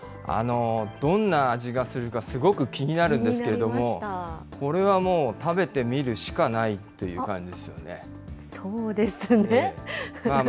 どんな味がするか、すごく気になるんですけれども、これはもう食べてみるしかないという感じですあっ、